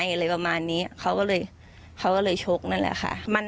อะไรประมาณนี้เขาก็เลยเขาก็เลยชกนั่นแหละค่ะ